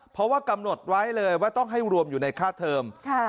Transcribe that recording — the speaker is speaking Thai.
เพราะว่ากำหนดไว้เลยว่าต้องให้รวมอยู่ในค่าเทิม